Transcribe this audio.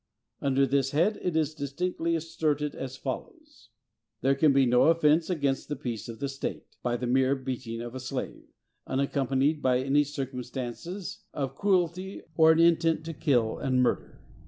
Under this head it is distinctly asserted as follows: "There can be no offence against the peace of the state, by the mere beating of a slave, unaccompanied by any circumstances of cruelty, or an intent to kill and murder.